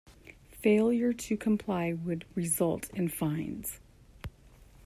Failure to comply would result in fines.